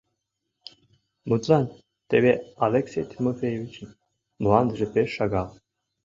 — Мутлан, теве Алексей Тимофеевичын мландыже пеш шагал.